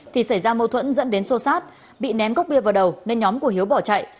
thì xảy ra mâu thuẫn dẫn đến sô sát bị ném cốc bia vào đầu nên nhóm của hiếu bỏ chạy